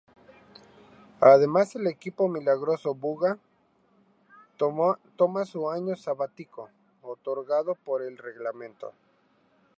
Además el equipo Milagroso Buga toma su año sabático otorgado por el reglamento.